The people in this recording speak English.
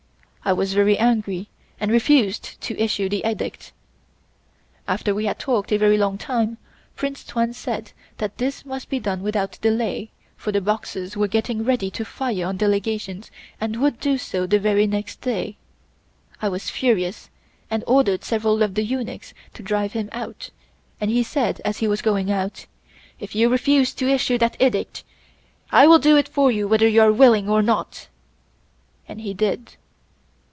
I was very angry and refused to issue this Edict. After we had talked a very long time, Prince Tuan said that this must be done without delay, for the Boxers were getting ready to fire on the Legations and would do so the very next day. I was furious and ordered several of the eunuchs to drive him out, and he said as he was going out: 'If you refuse to issue that Edict, I will do it for you whether you are willing or not,' and he did.